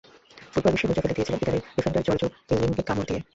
Football বিশ্বে হইচই ফেলে দিয়েছিলেন ইতালির ডিফেন্ডার জর্জো কিয়েলিনিকে কামড় দিয়ে।